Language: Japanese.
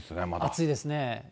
暑いですね。